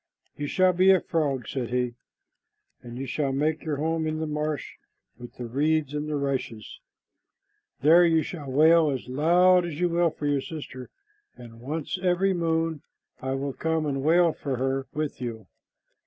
"You shall be a frog," said he, "and you shall make your home in the marsh with the reeds and the rushes. There you shall wail as loud as you will for your sister, and once every moon I will come and wail for her with you.